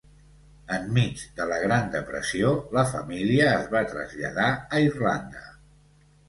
Enmig de la Gran Depressió, la família es va traslladar a Irlanda.